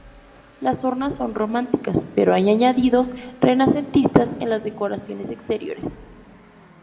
Las urnas son románicas, pero hay añadidos renacentistas en las decoraciones exteriores.